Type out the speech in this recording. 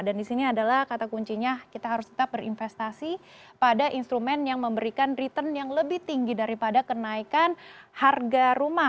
dan di sini adalah kata kuncinya kita harus tetap berinvestasi pada instrumen yang memberikan return yang lebih tinggi daripada kenaikan harga rumah